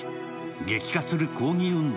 激化する抗議運動。